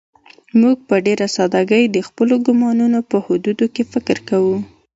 موږ په ډېره سادهګۍ د خپلو ګومانونو په حدودو کې فکر کوو.